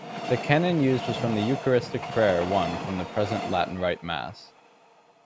The Canon used was the Eucharistic Prayer I from the present Latin Rite Mass.